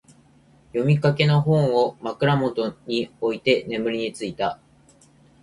読みかけの本を、枕元に置いて眠りについた。